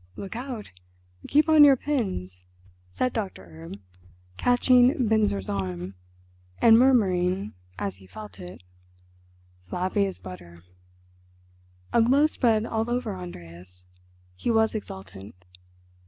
"Look out. Keep on your pins," said Doctor Erb, catching Binzer's arm, and murmuring, as he felt it, "Flabby as butter." A glow spread all over Andreas. He was exultant.